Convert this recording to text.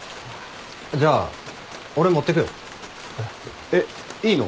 じゃあ俺持ってくよ。えっいいの？